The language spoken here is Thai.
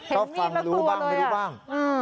ก็ฟังรู้บ้างไม่รู้บ้าง